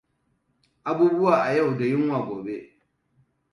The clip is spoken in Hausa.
Abubuwa a yau da yunwa gobe.